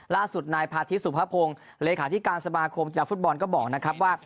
ล่าสุดในพาทธิสุภพพงศ์เลยขาดที่การสมาคมจีนฟุตบอลก็บอกนะครับว่า